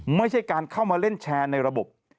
ไม่ใช่การเข้ามาเล่นแชร์ในระบบ